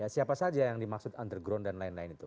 siapa saja yang dimaksud underground dan lain lain itu